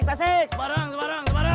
kasih kasih kasih semarang semarang semarang